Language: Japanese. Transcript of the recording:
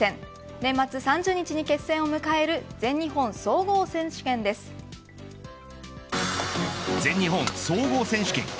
年末３０日に決戦を迎える全日本総合選手権です。